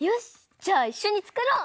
じゃあいっしょにつくろう！